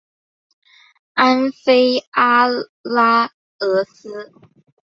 安菲阿拉俄斯。